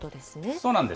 そうなんです。